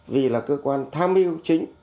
vì là cơ quan tham yêu chính